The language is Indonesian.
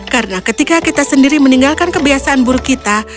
karena ketika kita sendiri meninggalkan kebiasaan buruk kita